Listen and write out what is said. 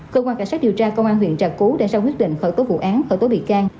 cơ quan cảnh sát điều tra công an huyện trà cú đã ra quyết định khởi tố vụ án khởi tố bị can